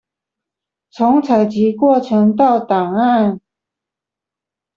從採集過程到檔案